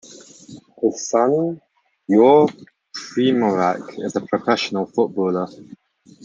His son Jure Primorac is a professional footballer.